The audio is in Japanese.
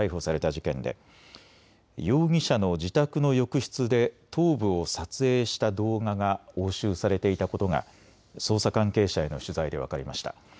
事件で容疑者の自宅の浴室で頭部を撮影した動画が押収されていたことが捜査関係者への取材で分かりました。